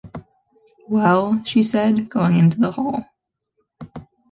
“Well?” she said, going into the hall.